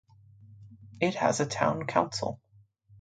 It has a town council.